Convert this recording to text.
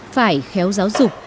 phải khéo giáo dục